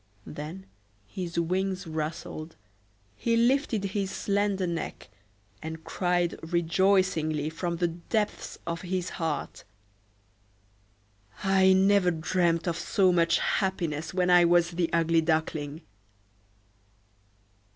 Then his wings rustled, he lifted his slender neck, and cried rejoicingly from the depths of his heart,—"I never dreamed of so much happiness when I was the Ugly Duckling!"